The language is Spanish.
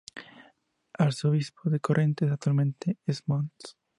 El Arzobispo de Corrientes, actualmente es Mons.